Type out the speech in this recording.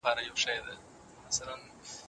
ولي ملي سوداګر کیمیاوي سره له چین څخه واردوي؟